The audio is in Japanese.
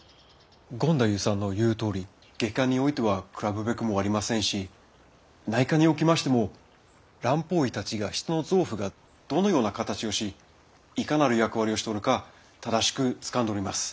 権太夫さんの言うとおり外科においてはくらぶべくもありませんし内科におきましても蘭方医たちは人の臓腑がどのような形をしいかなる役割をしておるか正しくつかんでおります。